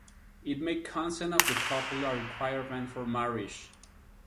It made consent of the couple a requirement for marriage.